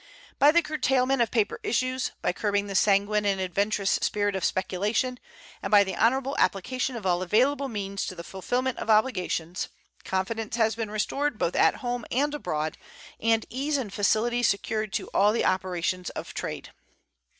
By the curtailment of paper issues, by curbing the sanguine and adventurous spirit of speculation, and by the honorable application of all available means to the fulfillment of obligations, confidence has been restored both at home and abroad, and ease and facility secured to all the operations of trade.